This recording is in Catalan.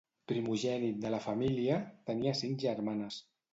Primogènit de la família, tenia cinc germanes.